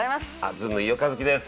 ずんの飯尾和樹です。